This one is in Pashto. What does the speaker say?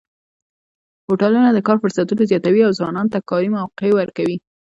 هوټلونه د کار فرصتونه زیاتوي او ځوانانو ته کاري موقع ورکوي.